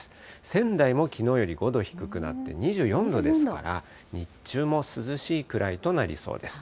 仙台もきのうより５度低くなって２４度ですから、日中も涼しいくらいとなりそうです。